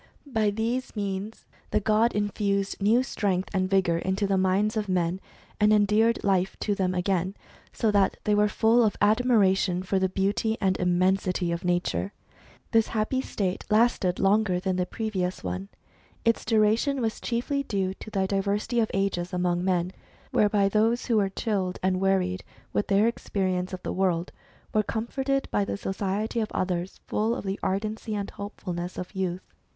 By these means the god infused new strength and vigour into the minds of men, and endeared life to them again, so that they were full of admiration for the beauty and immensity of nature. This happy state lasted longer than the previous one. Its duration was chiefly due to the diversity of ages among men, whereby those who were chilled and wearied with their experience of the world, were comforted by the society of others full of the ardency and hopefulness of youth.